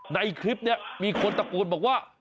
ในคลิปนี้มีคนตะโกนบอกว่า